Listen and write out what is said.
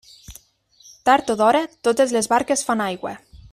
Tard o d'hora, totes les barques fan aigua.